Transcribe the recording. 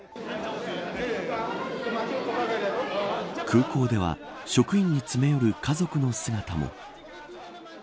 空港では、職員に詰め寄る家族の姿も。